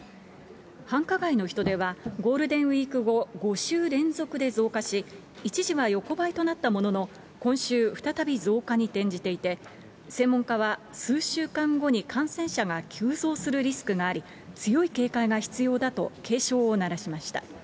繁華街の人出は、ゴールデンウィーク後、５週連続で増加し、一時は横ばいとなったものの今週、再び増加に転じていて、専門家は数週間後に感染者が急増するリスクがあり、強い警戒が必要だと警鐘を鳴らしました。